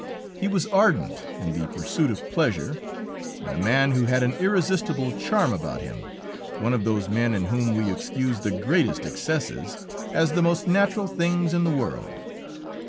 He was ardent in the pursuit of pleasure, and a man who had an irresistible charm about him, one of those men in whom we excuse the greatest excesses, as the most natural things in the world.